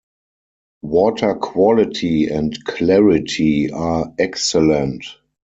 Water quality and clarity are excellent.